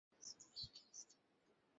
বান্দরবান নামকরণ নিয়ে একটি কিংবদন্তি রয়েছে।